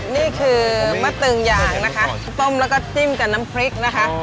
นี่คือมะตึงอย่างนะคะต้มแล้วก็จิ้มกับน้ำพริกนะคะ